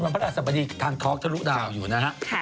วันพระอัศวราชภิกรทางทอคเจ้ารุดาวอยู่นะครับ